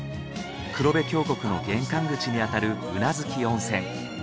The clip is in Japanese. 黒部峡谷の玄関口にあたる宇奈月温泉。